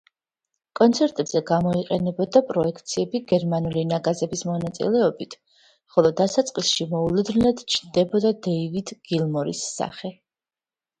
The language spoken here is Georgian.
კონცერტებზე გამოიყენებოდა პროექციები გერმანული ნაგაზების მონაწილეობით, ხოლო დასაწყისში მოულოდნელად ჩნდებოდა დეივიდ გილმორის სახე.